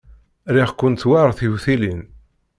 Riɣ-kent war tiwtilin.